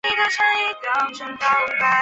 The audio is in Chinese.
渝州是隋朝时设置的州。